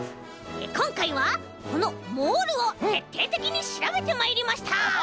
こんかいはこのモールをてっていてきにしらべてまいりました！